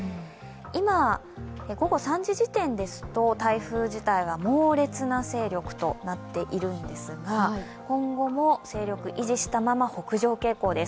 今、午後３時時点ですと、台風自体は猛烈な勢力となっているんですが今後も勢力を維持したまま北上傾向です。